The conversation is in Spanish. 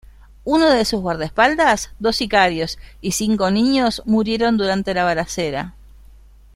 Uno de sus guardaespaldas, dos sicarios y cinco niños murieron durante la balacera.